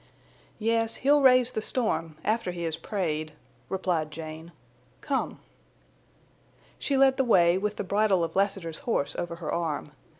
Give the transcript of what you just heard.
"Yes, he'll raise the storm—after he has prayed," replied Jane. "Come." She led the way, with the bridle of Lassiter's horse over her arm.